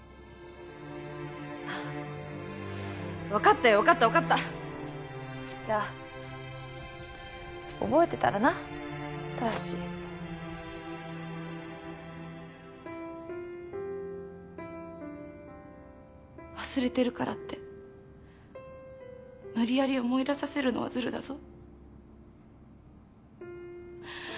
ああもう分かったよ分かった分かったじゃあ覚えてたらなただし忘れてるからって無理やり思い出させるのはズルだぞ？